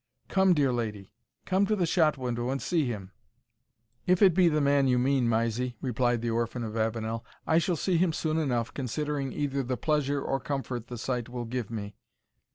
Come, dear lady, come to the shot window and see him." "If it be the man you mean, Mysie," replied the orphan of Avenel, "I shall see him soon enough, considering either the pleasure or comfort the sight will give me."